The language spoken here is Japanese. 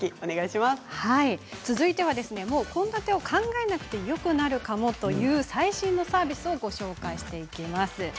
続いて献立を考えなくてもよくなるかもという最新のサービスをご紹介していきます。